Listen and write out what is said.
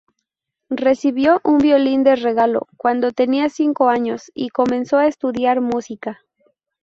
Recibió un violín de regalo cuando tenía cinco años y comenzó a estudiar música.